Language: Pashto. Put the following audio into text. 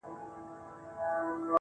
د يوسفي ښکلا چيرمنې نوره مه راگوره.